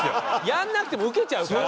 やんなくてもウケちゃうから。